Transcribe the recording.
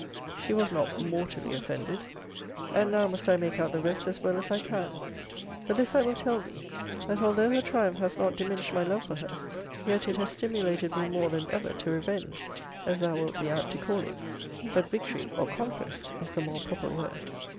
She was not mortally offended. And now must I make out the rest as well as I can. But this I will tell thee, that although her triumph has not diminished my love for her, yet it has stimulated me more than ever to revenge, as thou wilt be apt to call it. But victory, or conquest, is the more proper word.